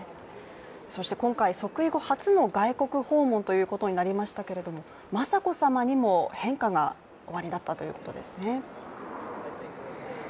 今回、即位後初の外国訪問ということになりましたけれども、雅子さまにも変化がおありだったということですね？